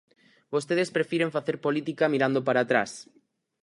Vostedes prefiren facer política mirando para atrás.